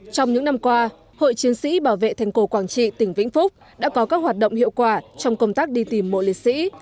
trong những năm qua hội chiến sĩ bảo vệ thành cổ quảng trị tỉnh vĩnh phúc đã có các hoạt động hiệu quả trong công tác đi tìm mộ liệt sĩ